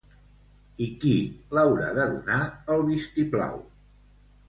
I qui l'haurà de donar el vistiplau?